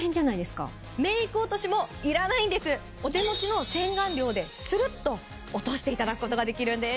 お手持ちの洗顔料でスルっと落としていただくことができるんです。